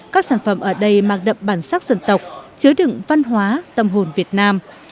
các sản phẩm ở đây mang đậm bản sắc dân tộc chứa đựng văn hóa tâm hồn việt nam